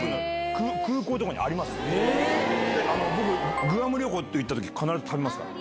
僕グアム旅行行った時必ず食べますから。